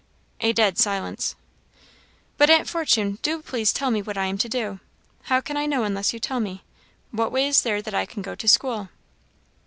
A dead silence. "But Aunt Fortune, do please tell me what I am to do. How can I know unless you tell me? What way is there that I can go to school?"